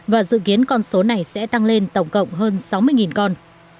và dự kiến con số này sẽ tăng lên tổng cộng hơn sáu mươi con